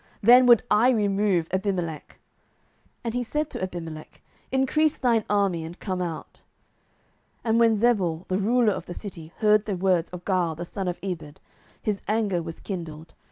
then would I remove Abimelech. And he said to Abimelech, Increase thine army, and come out. 07:009:030 And when Zebul the ruler of the city heard the words of Gaal the son of Ebed, his anger was kindled.